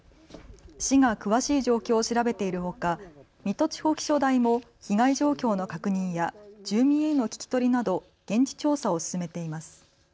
市が詳しい状況を調べているほか水戸地方気象台も被害状況の確認や住民への聞き取りなど現地調査を進めています。